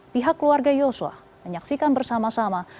pihak keluarga yosua menyaksikan bersama sama